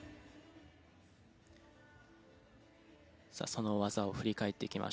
その技を振り返っていきましょう。